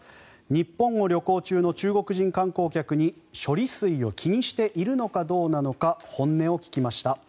日本を旅行中の中国人観光客に処理水を気にしているのかどうなのか本音を聞きました。